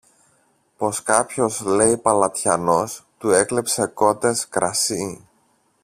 πως κάποιος, λέει, παλατιανός του έκλεψε κότες, κρασί